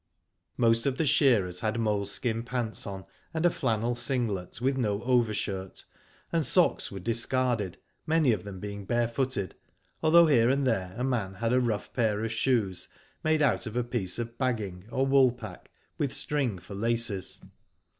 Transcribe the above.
Most of the shearers had moleskin pants on, and a flannel singlet, with no overshirt, and socks were discarded, many of them being bare footed, although here and there, a man had a rough pair of shoes, made out of a piece of bagging or wool pack, with string for laces.